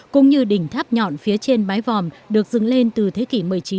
cũng như đỉnh tháp nhọn phía trên mái vòm được dừng lên từ thế kỷ một mươi chín